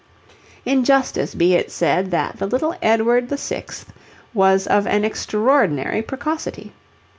] In justice be it said that the little Edward VI. was of an extraordinary precocity.